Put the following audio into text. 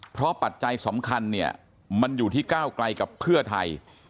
เพราะปัจจัยสำคัญเนี่ยมันอยู่ที่ก้าวไกลกับเพื่อไทย